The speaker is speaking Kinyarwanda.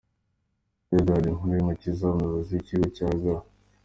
Eduard Nkurikiyumukiza, umuyobozi w’ikigo cya G.